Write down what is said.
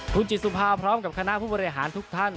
คุณจิตสุภาพพร้อมกับคณะผู้บริหารทุกท่าน